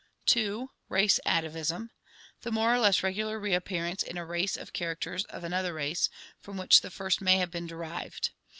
2. Race atavism. The more or less regular reappearance in a race of characters of another race, from which the first may have been derived.